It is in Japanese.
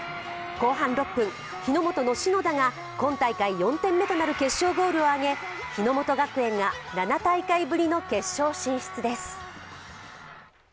後半６分、日ノ本の篠田が今大会４点目となる決勝ゴールを挙げ日ノ本学園が７大会ぶりの決勝進出です。